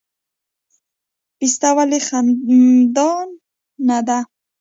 پسته ولې خندان ده؟